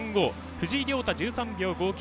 藤井亮汰が１３秒５９。